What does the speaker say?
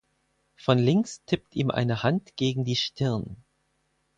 Von links tippt ihm eine Hand gegen die Stirn.